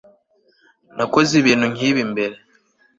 nakoze ibintu nkibi mbere